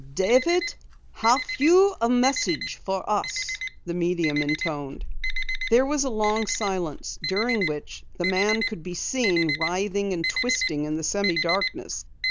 "David, have you a message for us?" the medium intoned. There was a long silence, during which the man could be seen writhing and twisting in the semi darkness.